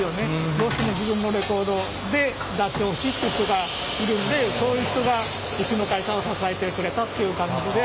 どうしても自分のレコードで出してほしいっていう人がいるんでそういう人がうちの会社を支えてくれたっていう感じで。